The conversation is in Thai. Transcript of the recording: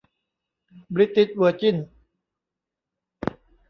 บริติชเวอร์จินส์